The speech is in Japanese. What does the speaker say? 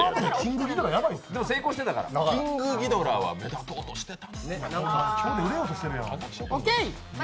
キングギドラは目立とうとしてた。